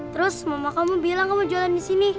terus mama kamu bilang kamu jualan disini